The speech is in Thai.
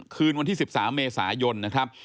คืนวันที่๑๓เมษายนนะครับ